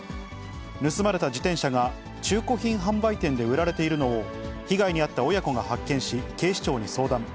盗まれた自転車が中古品販売店で売られているのを、被害に遭った親子が発見し、警視庁に相談。